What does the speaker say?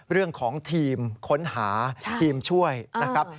เรื่องของทีมค้นหาทีมช่วยนะครับ